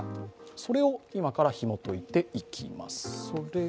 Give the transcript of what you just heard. それを今からひも解いていきます。